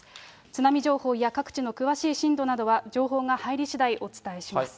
津波情報や各地の詳しい震度などは、情報が入りしだい、お伝えします。